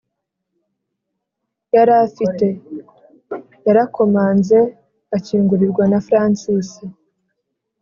yarafite. yarakomanze akingurirwa na francis